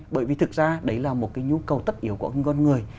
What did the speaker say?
bởi vì thực ra đấy là một cái nhu cầu tất yếu của con người